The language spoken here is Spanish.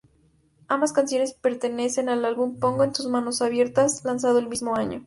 Ambas canciones pertenecen al álbum "Pongo en tus manos abiertas..." lanzado el mismo año.